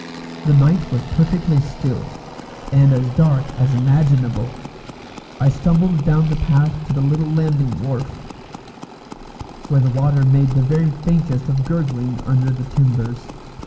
The night was perfectly still, and as dark as imaginable. I stumbled down the path to the little landing wharf, where the water made the very faintest of gurgling under the timbers.